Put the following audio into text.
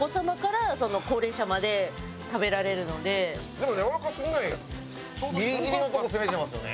でもやわらかすぎないギリギリのとこ攻めてますよね。